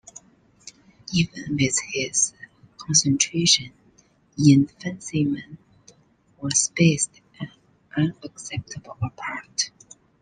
Even with his concentration, infantrymen were spaced an unacceptable apart.